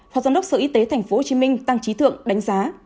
phó giám đốc sở y tế tp hcm tăng trí thượng đánh giá